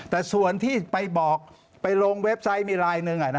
แต่ส่วนที่ไปบอกไปลงเว็บไซต์มีลายหนึ่ง